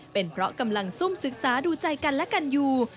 เป็นเพราะกำลังซุ่มศึกษาดูใจกันและกันอยู่